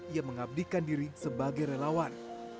ia mengabdikan diri sebagai relawan